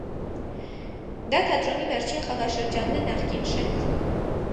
Դա թատրոնի վերջին խաղաշրջանն էր նախկին շենքում։